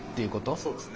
そうですね。